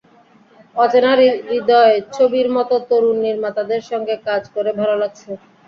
অচেনা হৃদয় ছবির মতো তরুণ নির্মাতাদের সঙ্গে কাজ করে ভালো লাগছে।